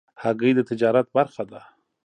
هګۍ د تجارت برخه ده.